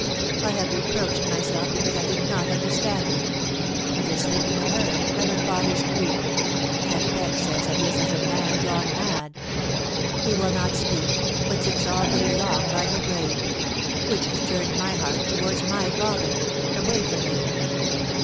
* I have reproached myself because I did not understand her. It is thinking of her— of her father's grief — Aunt Pen says that he is as a man gone mad : he will not speak, but sits all day long by her grave — which has turned my heart towards my father — away from you.